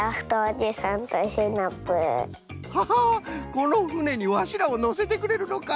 このふねにわしらをのせてくれるのか！